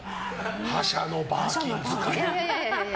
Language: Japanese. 覇者のバーキン使い！